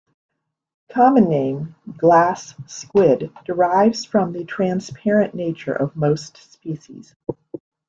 The common name, glass squid, derives from the transparent nature of most species.